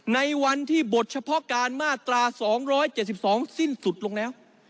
ในวันที่บทเฉพาะการมาตรา๒๗๒สิ้นสุดลงแล้ว